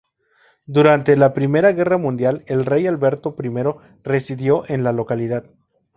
Durante la I Guerra Mundial, el Rey Alberto I residió en la localidad.